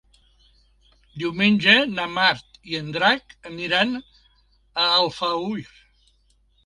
Diumenge na Mar i en Drac iran a Alfauir.